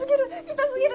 痛すぎる！